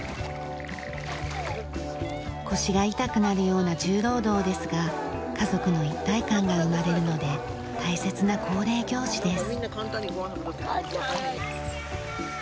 腰が痛くなるような重労働ですが家族の一体感が生まれるので大切な恒例行事です。